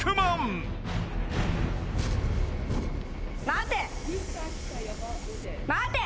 待て。